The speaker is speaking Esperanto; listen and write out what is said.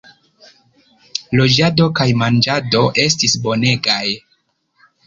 Loĝado kaj manĝado estis bonegaj.